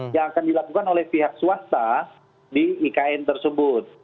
yang akan dilakukan oleh pihak swasta di ikn tersebut